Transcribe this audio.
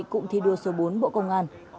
cụm thi đua số bốn bộ công an